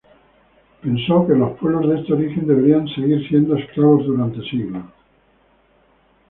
Él pensó que los pueblos de este origen, deberían "seguir siendo" esclavos durante siglos.